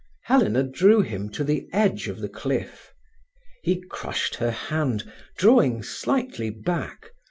Helena drew him to the edge of the cliff. He crushed her hand, drawing slightly back.